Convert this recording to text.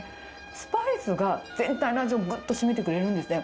スパイスが全体の味をぐっと締めてくれるんですね。